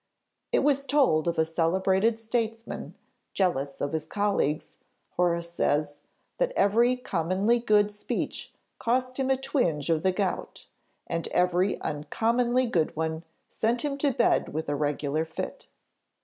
It was told of a celebrated statesman, jealous of his colleagues, Horace says, that every commonly good speech cost him a twinge of the gout; and every uncommonly good one sent him to bed with a regular fit.